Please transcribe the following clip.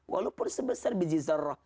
walaupun sebesar biji zarrah